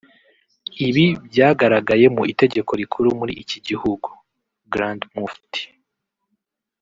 Ibi byagaragaye mu itegeko rikuru muri iki gihugu (Grand Mufti)